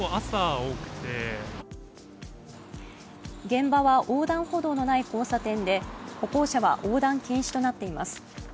現場は横断歩道のない交差点で歩行者は横断禁止となっています。